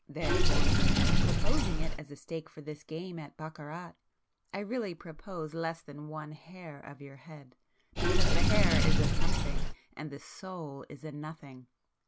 "Therefore, in proposing it as a stake for this game at baccarat, I really propose less than one hair of your head, because the hair is a something, and the soul is a nothing!